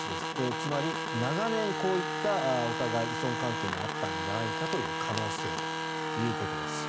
つまり、長年、こういったお互い依存関係にあったんじゃないかという可能性ということです。